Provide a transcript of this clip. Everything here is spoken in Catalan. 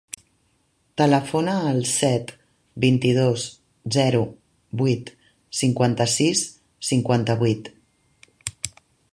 Telefona al set, vint-i-dos, zero, vuit, cinquanta-sis, cinquanta-vuit.